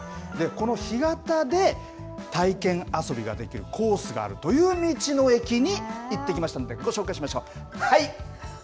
この干潟で体験遊びができるコースがあるという道の駅に行ってきましたので、ご紹介しましょう、はい！